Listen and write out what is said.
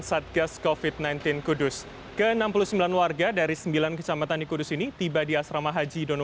satgas kofit sembilan belas kudus ke enam puluh sembilan warga dari sembilan kecamatan di kudus ini tiba di asrama haji dono